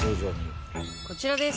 こちらです。